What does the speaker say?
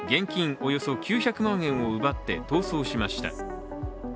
およそ９００万円を奪って逃走しました。